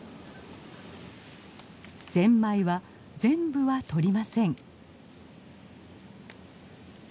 ゼンマイは全部はとりません。